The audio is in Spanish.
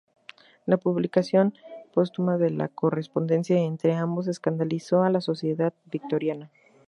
La publicación póstuma de la correspondencia entre ambos escandalizó a la sociedad victoriana.